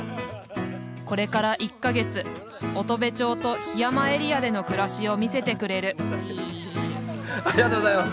これから１か月乙部町と桧山エリアでの暮らしを見せてくれるありがとうございます。